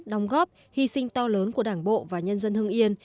đóng góp hy sinh to lớn của đảng bộ và nhân dân hương nghiên